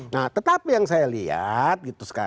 nah tetapi yang saya lihat